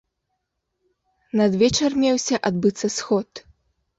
Надвечар меўся адбыцца сход.